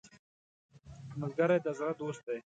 ملګری د زړه دوست دی